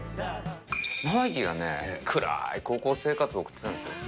尚之がね、暗い高校生活を送ってたんですよ。